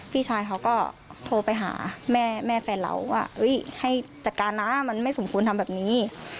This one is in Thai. พี่ชายเขาก็โทรไปหาแม่แม่แฟนเราว่าให้จัดการนะมันไม่สมควรทำแบบนี้